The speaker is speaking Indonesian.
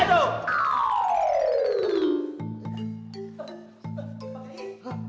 aduh ke rumah